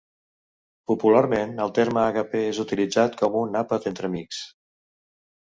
Popularment el terme àgape és utilitzat com un àpat entre amics.